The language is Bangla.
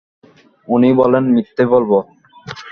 উনি বলেন, মিথ্যে বলব।